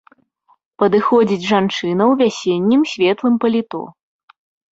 Падыходзіць жанчына ў вясеннім светлым паліто.